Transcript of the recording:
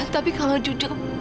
tapi kalau jujur